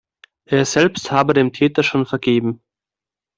Er selbst habe dem Täter schon vergeben.